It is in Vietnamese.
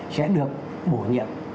sẽ được bổ nhiệm